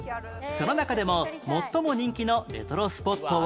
その中でも最も人気のレトロスポットは